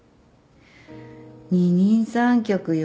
二人三脚よ